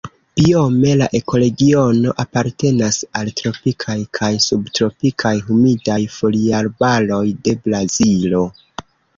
Biome la ekoregiono apartenas al tropikaj kaj subtropikaj humidaj foliarbaroj de Brazilo.